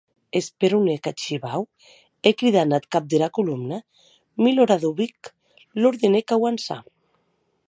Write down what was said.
Esperonèc ath shivau e cridant ath cap dera colomna, Miloradovic, l’ordenèc auançar.